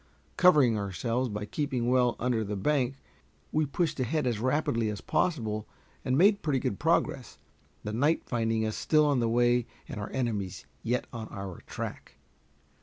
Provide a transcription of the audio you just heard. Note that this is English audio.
Covering ourselves by keeping well under the bank, we pushed ahead as rapidly as possible, and made pretty good progress, the night finding us still on the way and our enemies yet on our track.